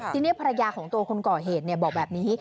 ทีนี้ภรรยาของตัวคนก่อเหตุบอกแบบนี้